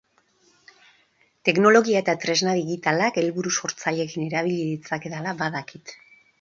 Teknologia eta tresnak digitalak helburu sortzaileekin erabili ditzakedala badakit.